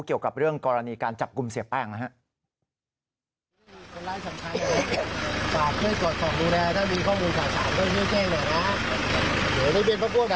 เกี่ยวกับเรื่องกรณีการจับกลุ่มเสียแป้งนะครับ